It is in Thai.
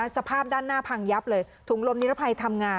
สภาพด้านหน้าพังยับเลย